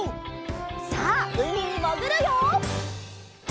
さあうみにもぐるよ！